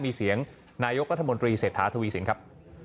มีเสียงนายกรัฐมนตรีเศรษฐาทวีสินครับ